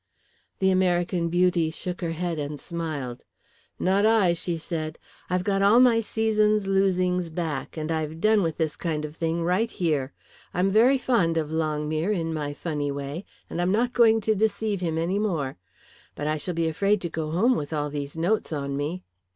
The American beauty shook her head and smiled. "Not I!" she said. "I've got all my season's losings back, and I've done with this kind of thing, right here. I'm very fond of Longmere in my funny way, and I'm not going to deceive him any more. But I shall be afraid to go home with all these notes on me."